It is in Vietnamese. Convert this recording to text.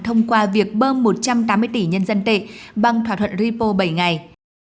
thông qua việc bơm một trăm tám mươi tỷ nhân dân tệ bằng thỏa thuận repo bảy ngày